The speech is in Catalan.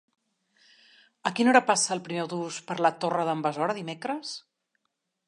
A quina hora passa el primer autobús per la Torre d'en Besora dimecres?